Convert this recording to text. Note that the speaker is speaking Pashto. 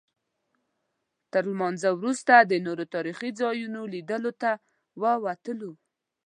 تر لمانځه وروسته د نورو تاریخي ځایونو لیدلو ته ووتلو.